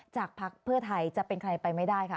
พักเพื่อไทยจะเป็นใครไปไม่ได้ค่ะ